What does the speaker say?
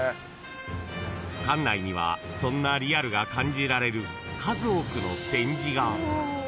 ［館内にはそんなリアルが感じられる数多くの展示が］